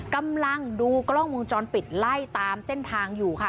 กำลังดูกล้องวงจรปิดไล่ตามเส้นทางอยู่ค่ะ